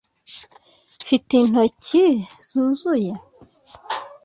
mfite intoki zuzuye?